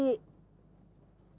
soal uang mah kecil bu